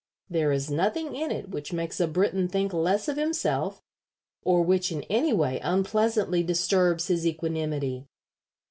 There is nothing in it which makes a Briton think less of himself or which in any way unpleasantly disturbs his equanimity.